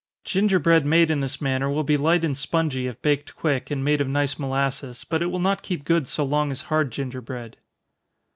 Gingerbread made in this manner will be light and spongy if baked quick, and made of nice molasses, but it will not keep good so long as hard gingerbread.